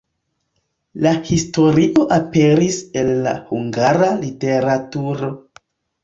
La historio aperis en la hungara literaturo.